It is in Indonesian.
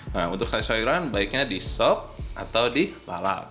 nah untuk sayur sayuran baiknya di sop atau di balap